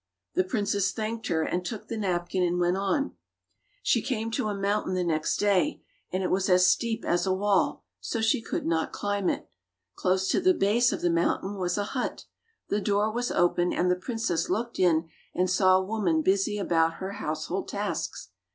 The princess thanked her and took the napkin, and went on. She came to a mountain 134 Fairy Tale Bears the next day, and it was as steep as a wall, so she could not climb it. Close to the base of the mountain was a hut. The door was open, and the princess looked in and saw a woman busy about her household tasks.